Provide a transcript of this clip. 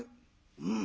「うん。